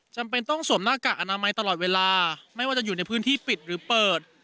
จำเป็นต้องสวมหน้ากากอนามัยตลอดเวลาไม่ว่าจะอยู่ในพื้นที่ปิดหรือเปิด